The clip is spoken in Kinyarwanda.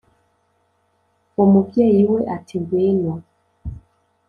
umubyeyi we ati ngwino